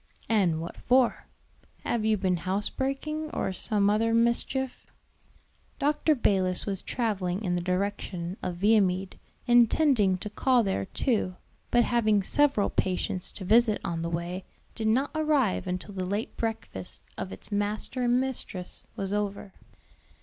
and what for? have you been house breaking or some other mischief?" Dr. Balis was traveling in the direction of Viamede, intending to call there too, but having several patients to visit on the way, did not arrive until the late breakfast of its master and mistress was over.